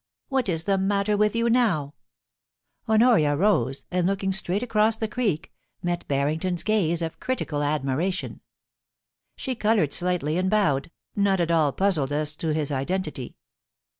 What is the matter with you now ?* Honoria rose, and looking straight across the creek, met Barrington's gaze of critical admiration. She coloured slightly, and bowed, not at all puzzled as to his identity.